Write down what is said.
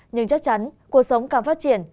nhưng chắc chắn cuộc sống càng phát triển